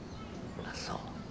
あっそう。